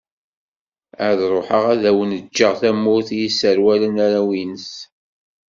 Ad ruḥeγ ad awen-ğğeγ tamurt i yesserwalen arraw_ines.